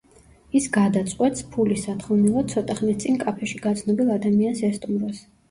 ის გადაწყვეტს, ფულის სათხოვნელად ცოტა ხნის წინ კაფეში გაცნობილ ადამიანს ესტუმროს.